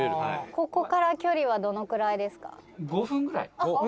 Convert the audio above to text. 「ここから距離はどのくらいですか？」